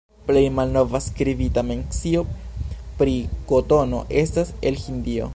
Plej malnova skribita mencio pri kotono estas el Hindio.